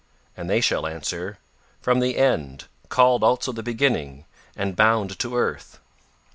And they shall answer: 'From The End called also The Beginning, and bound to Earth.